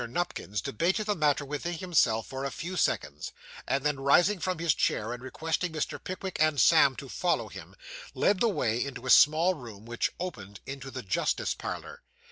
Nupkins debated the matter within himself for a few seconds, and then, rising from his chair, and requesting Mr. Pickwick and Sam to follow him, led the way into a small room which opened into the justice parlour.